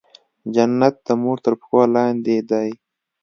جنت د مور تر پښو لاندې دی